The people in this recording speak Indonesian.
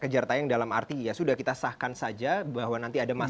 kejar tayang dalam arti ya sudah kita sahkan saja bahwa nanti ada masalah